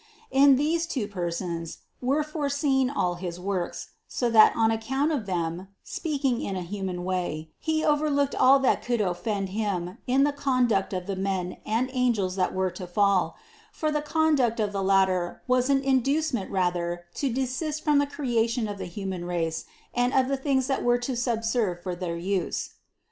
In these two Persons were foreseen all his works, so that on account of Them (speaking in a human way) He overlooked all that could offend Him in the conduct of the men and angels that were to fall; for the conduct of the latter was an inducement rather to desist from the creation of the human race and of the things that were to sub serve for their use.